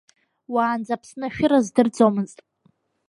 Уаанӡа Аԥсны ашәыр аздырӡомызт.